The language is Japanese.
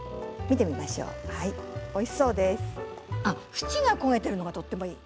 縁が焦げてるのがとってもいい。